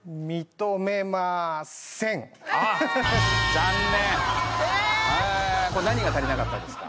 残念これ何が足りなかったですか？